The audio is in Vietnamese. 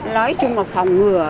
nói chung là phòng ngừa